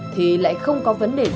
thì lại không có vấn đề quan trọng